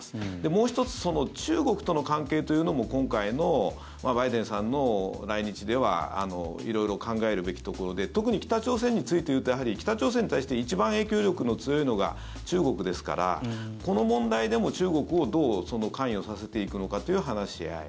もう１つ中国との関係というのも今回のバイデンさんの来日では色々考えるべきところで特に北朝鮮について言うと北朝鮮に対して一番影響力の強いのが中国ですからこの問題でも中国をどう関与させていくのかという話し合い。